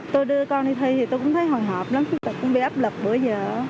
tôi đưa con đi thi thì tôi cũng thấy hồi hộp lắm cũng bị áp lực bữa giờ